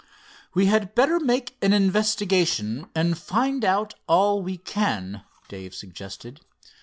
"We had better make an investigation, and find out all we can," Dave suggested.